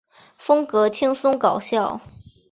风格轻松搞笑。